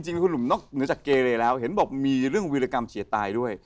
จริงคุณหนุ่มนอกเหนือจากเกเรแล้วเห็นบอกมีเรื่องวิรากรรมเฉียดตายด้วย